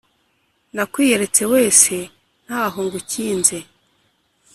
Nakwiyeretse wese ntaho ngukinze